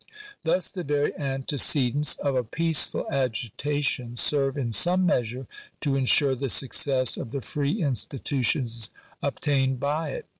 Thus the very antecedents of a peaceful agitation serve in some measure to ensure the success of the free institutions obtained by it.